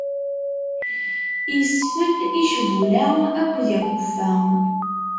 Isfel icbula akked iqweffa.